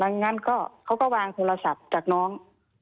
อย่างนั้นก็เขาก็วางโทรศัพท์จากน้อง